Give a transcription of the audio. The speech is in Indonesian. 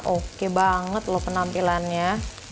oke banget loh penampilannya